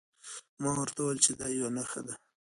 ما ورته وویل چې دا یوه نښه ده.